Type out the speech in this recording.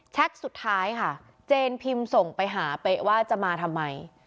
สุดท้ายค่ะเจนพิมพ์ส่งไปหาเป๊ะว่าจะมาทำไม